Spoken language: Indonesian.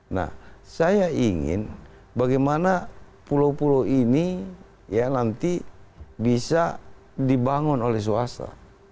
nah saya ingin bagaimana pulau pulau ini ya nanti bisa dibangun oleh swasta